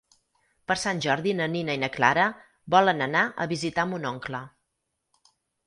Per Sant Jordi na Nina i na Clara volen anar a visitar mon oncle.